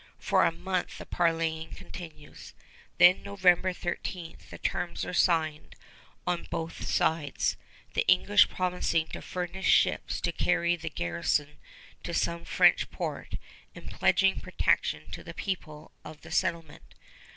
For a month the parleying continues. Then November 13 the terms are signed on both sides, the English promising to furnish ships to carry the garrison to some French port and pledging protection to the people of the settlement.